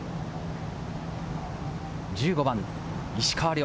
１５番・石川遼。